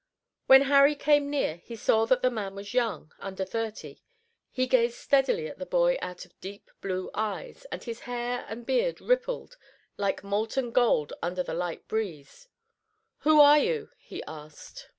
When Harry came near he saw that the man was young, under thirty. He gazed steadily at the boy out of deep blue eyes, and his hair and beard rippled like molten gold under the light breeze. "Who are you?" he asked.